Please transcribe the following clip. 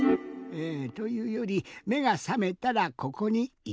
というよりめがさめたらここにいました。